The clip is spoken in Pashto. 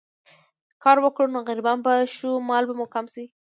کار وکړو نو غريبان به شو، مال به مو کم شي